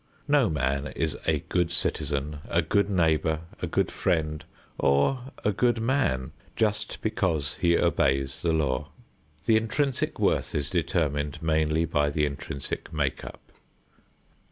No man is a good citizen, a good neighbor, a good friend, or a good man just because he obeys the law. The intrinsic worth is determined mainly by the intrinsic make up.